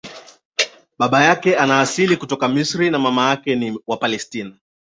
Babake ana asili ya kutoka Misri na mamake ni wa Palestina.